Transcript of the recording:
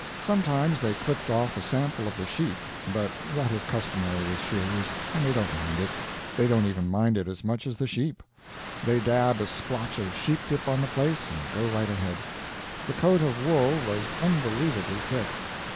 Sometimes they clipped off a sample of the sheep, but that is customary with shearers, and they don't mind it; they don't even mind it as much as the sheep. They dab a splotch of sheep dip on the place and go right ahead. The coat of wool was unbelievably thick.